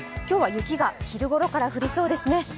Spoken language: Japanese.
今日は雪が昼ごろから降りそうですね。